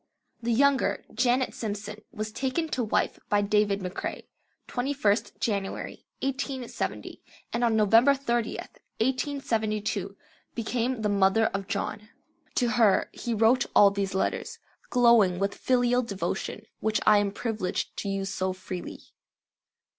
The younger, Janet Simpson, was taken to wife by David McCrae, 21st January, 1870, and on November 30th, 1872, became the mother of John. To her he wrote all these letters, glowing with filial devotion, which I am privileged to use so freely.